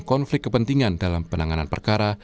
konflik kepentingan dalam penanganan perkara